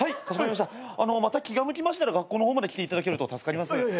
また気が向きましたら学校の方まで来ていただけると助かります。